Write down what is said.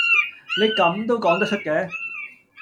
你咁都講得出嘅